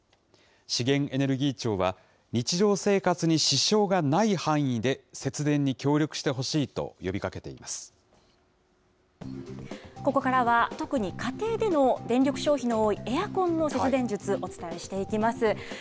資源エネルギー庁は、日常生活に支障がない範囲で節電に協力してほしいと呼びかけていここからは、特に家庭での電力消費の多いエアコンの節電術、お伝えしていきます。